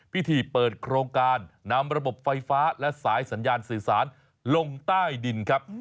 พิธีเปิดโครงการนำระบบไฟฟ้าและสายสัญญาณสื่อสารลงใต้ดินครับ